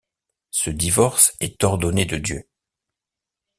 Ce divorce est ordonné de Dieu.